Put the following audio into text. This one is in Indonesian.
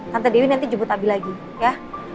tante dewi nanti jemput abi lagi ya